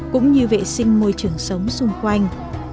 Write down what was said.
cũng như vệ sinh môi trường sống xung quanh